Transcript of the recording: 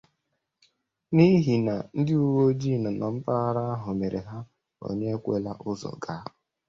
n'ihi na ndị uweojii nọ na mpaghara ahụ mere ha 'onye ekwela ụzọ ga'.